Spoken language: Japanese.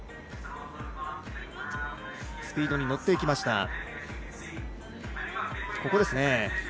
スピードに乗っていきました。